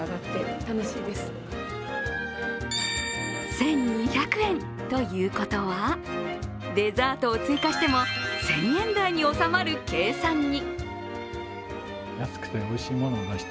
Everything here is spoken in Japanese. １２００円ということは、デザートを追加しても１０００円台に収まる計算に。